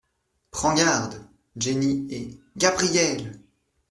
Prends garde ! jenny et GABRIELLE.